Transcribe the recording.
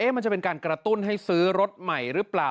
มันจะเป็นการกระตุ้นให้ซื้อรถใหม่หรือเปล่า